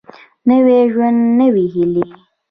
نوی ژوند نوي هېلې